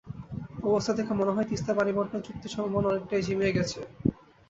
অবস্থা দেখে মনে হয়, তিস্তার পানিবণ্টন চুক্তির সম্ভাবনা অনেকটাই ঝিমিয়ে গেছে।